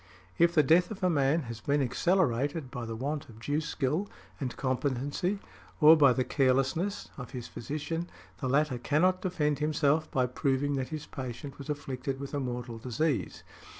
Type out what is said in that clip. If the death of a man has been accelerated by the want of due skill and competency, or by the carelessness, of his physician, the latter cannot defend himself by proving that his patient was afflicted with a mortal disease .